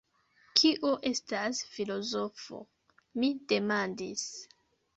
Kio estas filozofo? mi demandis.